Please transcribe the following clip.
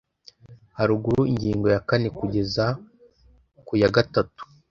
haruguru ingingo ya kane kugeza ku ya gatatu